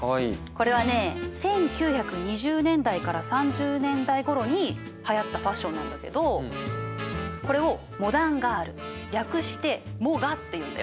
これはね１９２０年代から３０年代ごろにはやったファッションなんだけどこれをモダンガール略してモガっていうんだよ。